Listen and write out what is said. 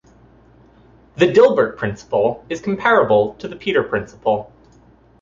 The Dilbert principle is comparable to the Peter principle.